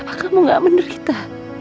apakah kamu gak menderita